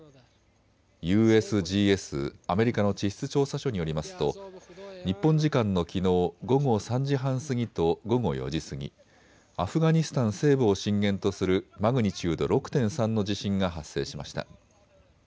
ＵＳＧＳ・アメリカの地質調査所によりますと日本時間のきのう午後３時半過ぎと午後４時過ぎ、アフガニスタン西部を震源とするマグニチュード６．３の地震が発生しました。